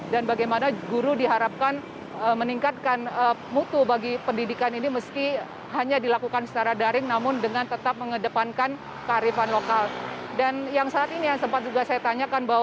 dan bagaimana guru diharapkan meningkatkan mutu bagi pendidikan itu meski hanya dilakukan secara daring namun dengan tetap mengedepankan kehariban lokal dan yang saat ini sempat juga saya tanyakan bahwa